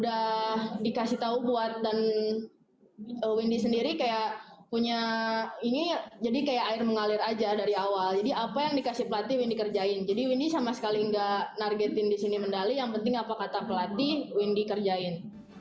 udah dikasih tau buat dan windy sendiri kayak punya ini jadi kayak air mengalir aja dari awal jadi apa yang dikasih pelatih win dikerjain jadi windy sama sekali nggak nargetin di sini medali yang penting apa kata pelatih windy kerjain